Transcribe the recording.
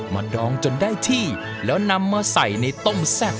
ดองจนได้ที่แล้วนำมาใส่ในต้มแซ่บ